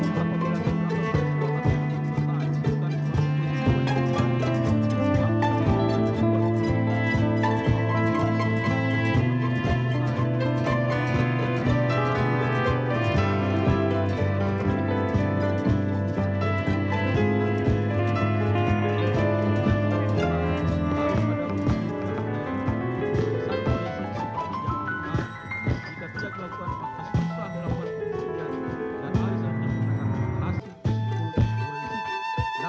kita harus membuatnya